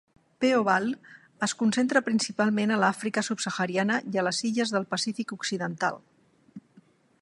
"P. ovale" es concentra principalment a l'Àfrica subsahariana i a les illes del Pacífic occidental.